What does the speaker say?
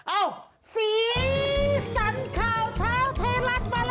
เอาสีสันข่าวเช้าเทรักมาแล้วครับ